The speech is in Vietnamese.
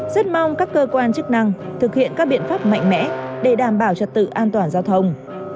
rất mong các cơ quan chức năng thực hiện các biện pháp mạnh mẽ để đảm bảo trật tự an toàn giao thông